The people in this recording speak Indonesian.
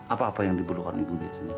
apa apa yang diperlukan ibu biasanya